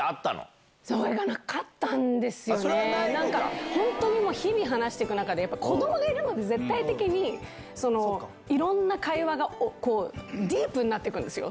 なんか、本当に日々、話してく中で、子どもがいるので、絶対的に、いろんな会話がディープになってくるんですよ。